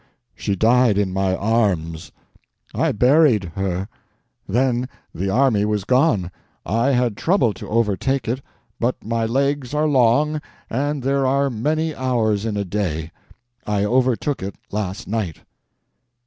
She died in my arms. I buried her. Then the army was gone. I had trouble to overtake it, but my legs are long and there are many hours in a day; I overtook it last night."